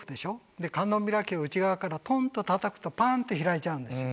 で観音開きを内側からトンとたたくとパンって開いちゃうんですよ。